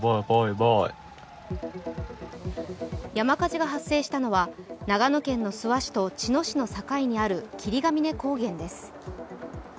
山火事が発生したのは長野県の諏訪市と茅野市の境にある霧ヶ峰高原です。